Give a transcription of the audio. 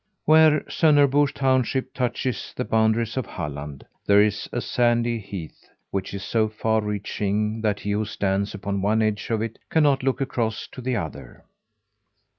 Where Sonnerbo township touches the boundaries of Halland, there is a sandy heath which is so far reaching that he who stands upon one edge of it cannot look across to the other.